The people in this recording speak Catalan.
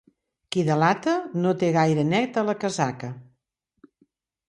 Qui delata no té gaire neta la casaca.